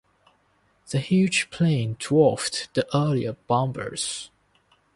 The huge plane dwarfed the earlier bombers.